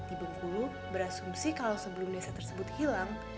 di bengkulu berasumsi kalau sebelum desa tersebut hilang